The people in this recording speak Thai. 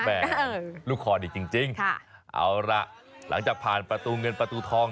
แม่ลูกคอดีจริงเอาล่ะหลังจากผ่านประตูเงินประตูทอง